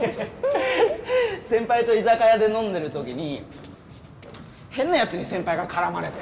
先輩と居酒屋で飲んでる時に変な奴に先輩が絡まれて。